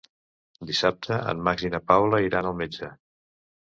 Dissabte en Max i na Paula iran al metge.